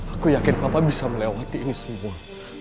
aku yakin papa bisa melewati ini semua